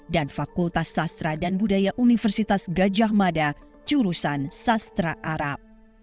dan fakultas sastra dan budaya universitas gajah mada jurusan sastra arab